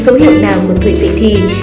cứ dấu hiệu nào của tuổi dậy thì